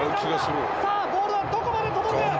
さあボールはどこまで届く？